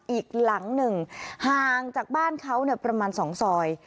อีกหลังหนึ่งห่างจากบ้านเขาประมาณ๒ซอย